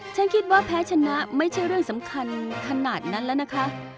ฉันคิดว่าแพ้ชนะไม่ใช่เรื่องสำคัญขนาดนั้นแล้วนะคะ